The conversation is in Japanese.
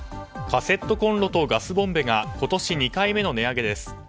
カセットコンロとガスボンベが今年２回目の値上げです。